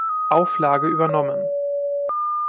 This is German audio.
Auflage übernommen.